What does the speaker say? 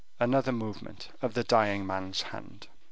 Another movement of the dying man's head.